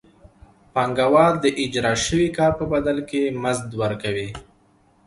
پانګوال د اجراء شوي کار په بدل کې مزد ورکوي